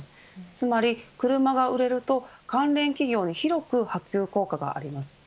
つまり車が売れると関連企業に広く波及効果があります。